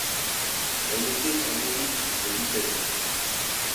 Elle était endémique de l'Italie.